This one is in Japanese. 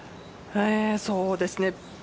そうですね。